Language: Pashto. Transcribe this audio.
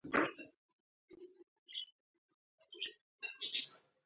ناځوانه ناروغۍ احمد شل پل کړی دی.